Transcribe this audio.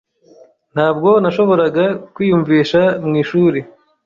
Ntabwo nashoboraga kwiyumvisha mu ishuri.